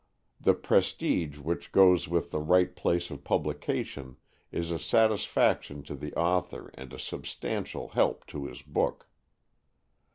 The prestige which goes with the right place of publication is a satisfaction to the author and a substantial help to his book.